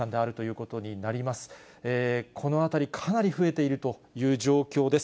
このあたり、かなり増えているという状況です。